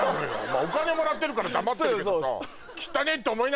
お金もらってるから黙ってるけど。